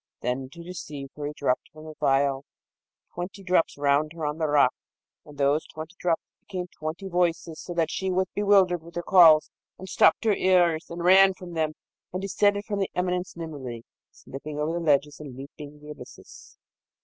Then, to deceive her, he dropped from the phial twenty drops round her on the rock, and those twenty drops became twenty voices, so that she was bewildered with their calls, and stopped her ears, and ran from them, and descended from the eminence nimbly, slipping over ledges and leaping the abysses.